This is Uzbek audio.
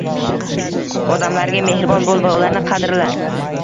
Odamlarga mehribon bo‘l va ularni qadrla.